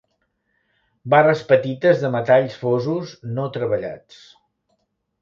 Barres petites de metalls fosos no treballats.